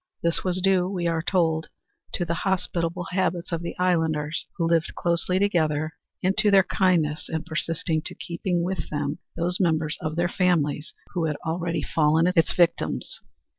This was due, we are told, to the hospitable habits of the islanders, who lived closely together, and to their kindness in persisting in keeping with them those members of their families who had already fallen its victims.